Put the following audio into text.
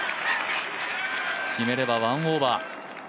決めれば１オーバー。